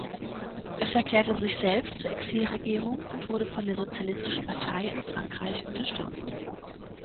Es erklärte sich selbst zur Exilregierung und wurde von der Sozialistischen Partei in Frankreich unterstützt.